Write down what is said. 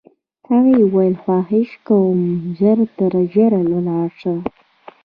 هغې وویل: خواهش کوم، ژر تر ژره ولاړ شه.